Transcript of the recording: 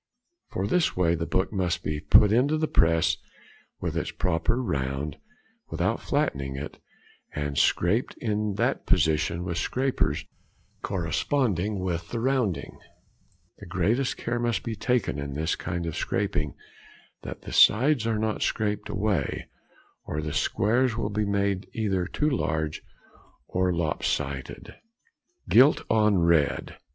For this way the book must be put into the press with its proper round, without flattening it, and scraped in that position with scrapers corresponding with the rounding. The greatest care must be taken in this kind of scraping that the sides |82| are not scraped away, or the squares will be made either too large or lop sided. _Gilt on Red.